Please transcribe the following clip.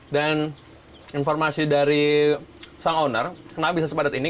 dan informasi dari sang owner kenapa bisa sepadat ini